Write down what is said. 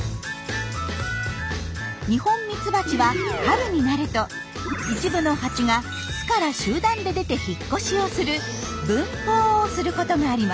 ニホンミツバチは春になると一部のハチが巣から集団で出て引っ越しをする「分蜂」をすることがあります。